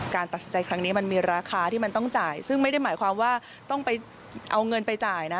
การตัดสินใจครั้งนี้มันมีราคาที่มันต้องจ่ายซึ่งไม่ได้หมายความว่าต้องไปเอาเงินไปจ่ายนะ